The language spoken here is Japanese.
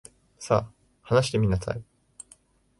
さ、話してみなさい。